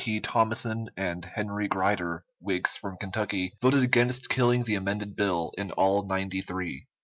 P. Thomasson and Henry Grider, Whigs from Kentucky, voted against killing the amended bill, in all ninety three.